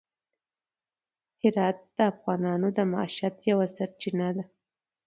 هرات د افغانانو د معیشت یوه سرچینه ده.